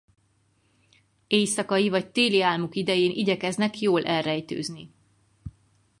Éjszakai vagy téli álmuk idején igyekeznek jól elrejtőzni.